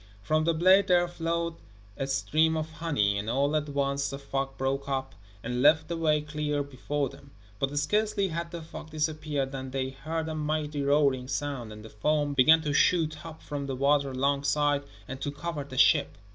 From the blade there flowed a stream of honey, and all at once the fog broke up, and left the way clear before them. But scarcely had the fog disappeared than they heard a mighty roaring sound, and the foam began to shoot up from the water alongside, and to cover the ship.